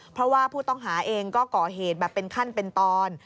เพราะว่าผู้ต้องหาเองก็ก่อเหตุแบบเป็นขั้นเป็นตอน